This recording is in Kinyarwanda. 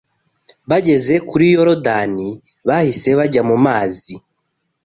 Bageze kuri Yorodani bahise bajya mu mazi